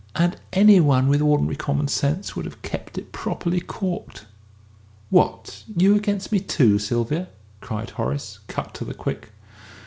And any one with ordinary common sense would have kept it properly corked!" "What, you against me too, Sylvia!" cried Horace, cut to the quick.